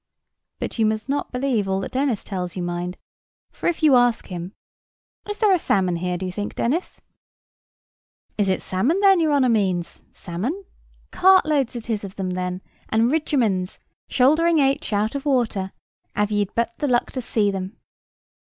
—But you must not believe all that Dennis tells you, mind; for if you ask him: "Is there a salmon here, do you think, Dennis?" "Is it salmon, thin, your honour manes? Salmon? Cartloads it is of thim, thin, an' ridgmens, shouldthering ache out of water, av' ye'd but the luck to see thim."